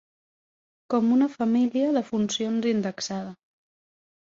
com una família de funcions indexada.